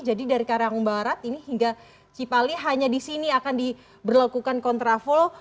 jadi dari karawang barat ini hingga cipali hanya di sini akan diberlakukan kontra flow